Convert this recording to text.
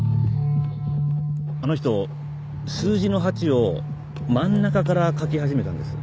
あの人数字の８を真ん中から書き始めたんです。